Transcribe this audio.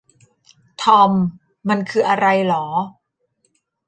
ทอม มันคืออะไรหรอ